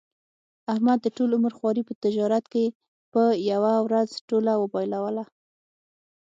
احمد د ټول عمر خواري په تجارت کې په یوه ورځ ټوله بایلوله.